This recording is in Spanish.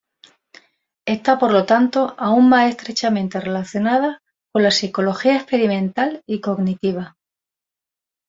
Está por lo tanto aún más estrechamente relacionada con la Psicología experimental y cognitiva.